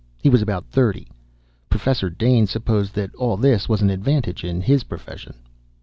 He was about thirty. Professor Dane supposed that all this was an advantage in his profession.